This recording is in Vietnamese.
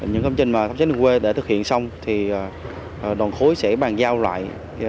những công trình thắp sáng đường quê để thực hiện xong thì đoàn khối sẽ bàn giao lại